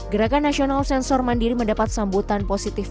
gerakan nasional sensor mandiri mendapat sambutan positif